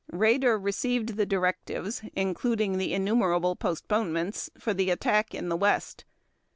Raeder received the directives, including the innumerable postponements, for the attack in the West.